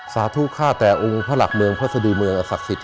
สาธุข้าแต่องค์พระหลักเมืองพระสดีเมืองศักดิ์สิทธิ